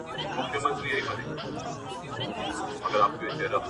هر چا ويله چي پــاچــا جـــــوړ ســـــــې ;